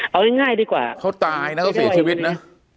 เอาง่ายดีกว่าเขาตายนะเขาเสียชีวิตนะ